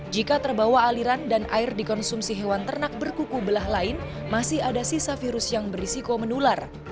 jika terbawa aliran dan air dikonsumsi hewan ternak berkuku belah lain masih ada sisa virus yang berisiko menular